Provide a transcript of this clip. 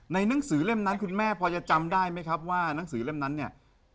หนังสือเล่มนั้นคุณแม่พอจะจำได้ไหมครับว่าหนังสือเล่มนั้นเนี่ย